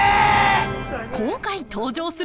今回登場するのは。